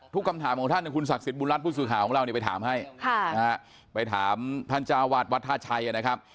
ทุกคำถามของท่านคุณศักดิ์สิทธิ์บุญรัชพุทธศึกษาของเราไปถามให้ไปถามท่านเจ้าวาดวัทธาชัยนะครับ